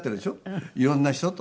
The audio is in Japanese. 色んな人と。